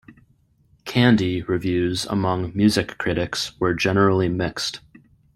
"Candy" reviews among music critics were generally mixed.